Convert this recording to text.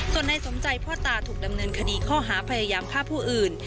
ส่วนนายสมใจพ่อตาถูกดำเนินคดีข้อหาพยายามฆ่าผู้อื่น